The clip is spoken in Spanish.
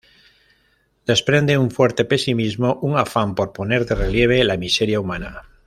Desprende un fuerte pesimismo, un afán por poner de relieve la miseria humana.